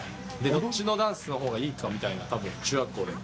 どっちのダンスのほうがいいかみたいな、たぶん、中学校で。